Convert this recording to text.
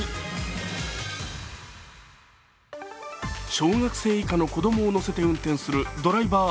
小学生以下の子どもを乗せて運転するドライバー